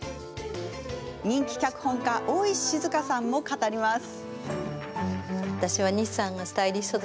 人気脚本家大石静さんも語ります。